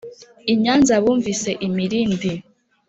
I Nyanza bumvise imirindi,